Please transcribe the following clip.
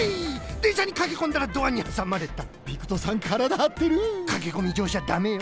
でんしゃにかけこんだらドアにはさまれたピクトさんからだはってるかけこみじょうしゃだめよ。